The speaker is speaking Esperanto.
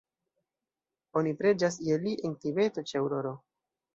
Oni preĝas je li en Tibeto ĉe aŭroro.